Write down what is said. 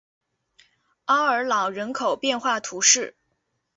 阿尔朗人口变化图示